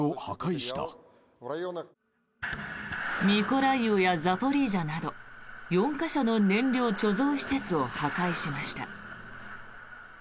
ミコライウやザポリージャなど４か所の燃料貯蔵施設を破壊しました。